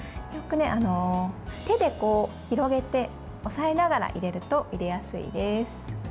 よく手で広げて押さえながら入れると入れやすいです。